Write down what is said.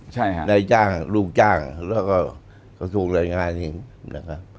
ใช่ครับในจ้างลูกจ้างแล้วก็ส่วนรายงานอย่างนี้นะครับ